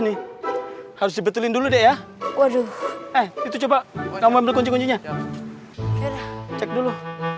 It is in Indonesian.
nih harus dibetulin dulu deh ya waduh itu coba ngomong kuncinya dulu